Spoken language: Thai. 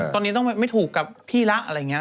ตอนนี้ต้องไม่ถูกกับพี่ละอะไรอย่างนี้